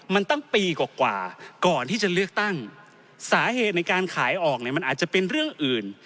มันตั้งปีกว่าก่อนที่จะเลือกตั้งสาเหตุในการขายออกเนี่ยมันอาจจะเป็นเรื่องอื่น